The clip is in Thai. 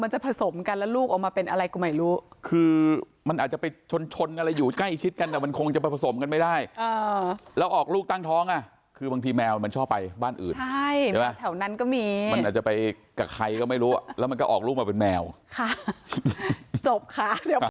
จะผสมกันแล้วลูกออกมาเป็นอะไรก็ไม่รู้คือมันอาจจะไปชนชนอะไรอยู่ใกล้ชิดกันแต่มันคงจะผสมกันไม่ได้แล้วออกลูกตั้งท้องอ่ะคือบางทีแมวมันชอบไปบ้านอื่นใช่ใช่ไหมแถวนั้นก็มีมันอาจจะไปกับใครก็ไม่รู้แล้วมันก็ออกลูกมาเป็นแมวค่ะจบค่ะ